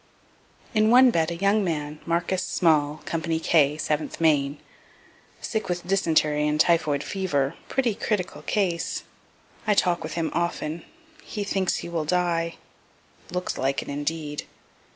In one bed a young man, Marcus Small, company K, 7th Maine sick with dysentery and typhoid fever pretty critical case I talk with him often he thinks he will die looks like it indeed.